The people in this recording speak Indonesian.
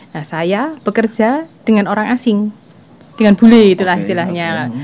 nah saya bekerja dengan orang asing dengan bule itulah istilahnya